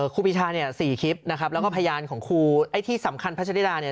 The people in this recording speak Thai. ครูปีชาเนี่ย๔คลิปนะครับแล้วก็พยานของครูไอ้ที่สำคัญพัชริดาเนี่ย